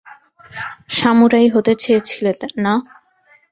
Samurai হতে চেয়েছিলে না?